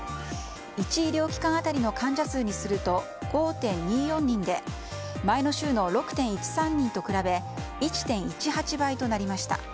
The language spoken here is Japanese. １医療機関当たりの患者数にすると５．２４人で前の週の６．１３人と比べ１．１８倍となりました。